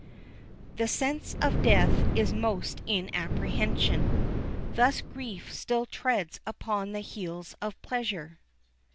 "The sense of death is most in apprehension." "Thus grief still treads upon the heels of pleasure."